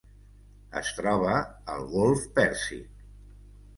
Es troba al golf Pèrsic.